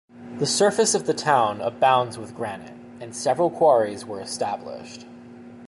The surface of the town abounds with granite, and several quarries were established.